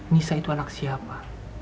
nisa itu anak siapa